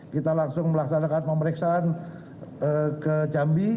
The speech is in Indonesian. kita langsung melaksanakan pemeriksaan ke jambi